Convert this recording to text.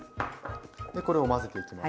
これを混ぜていきます。